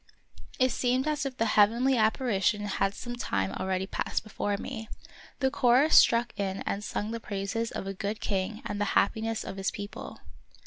It seemed as if the heavenly appari tion had some time already passed before me. The chorus struck in and sung the praises of a good king and the happiness of his people.